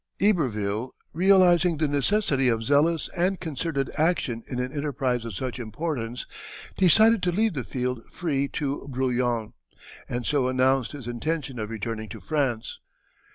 Iberville realizing the necessity of zealous and concerted action in an enterprise of such importance, decided to leave the field free to Brouillan, and so announced his intention of returning to France.